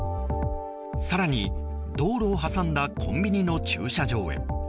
更に、道路を挟んだコンビニの駐車場へ。